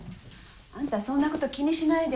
あんたそんなこと気にしないで。